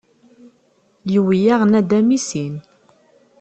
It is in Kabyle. Yewwi-yaɣ nadam i sin.